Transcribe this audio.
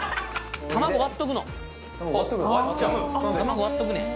卵割っとくねん